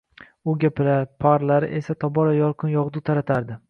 U gapirar, parlari esa tobora yorqin yog‘du taratardi;